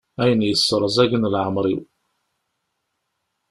Ayen yesserẓagen leɛmeṛ-iw.